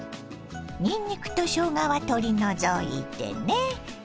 にんにくとしょうがは取り除いてね。